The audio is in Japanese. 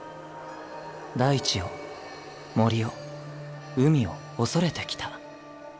大地を森を海を恐れてきた。